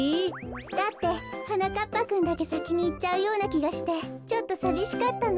だってはなかっぱくんだけさきにいっちゃうようなきがしてちょっとさびしかったの。